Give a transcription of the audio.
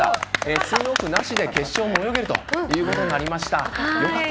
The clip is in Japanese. スイムオフなしで決勝も泳げるということになりました。